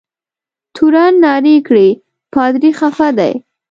تورن نارې کړې پادري خفه دی.